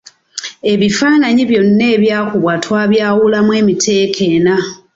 Ebifaananyi byonna ebyakubwa twabyawulamu mu miteeko ena.